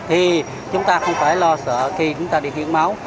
thì chúng ta không phải lo sợ khi chúng ta đi hiến máu